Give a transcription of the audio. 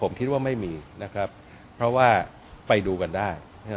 ผมคิดว่าไม่มีนะครับเพราะว่าไปดูกันได้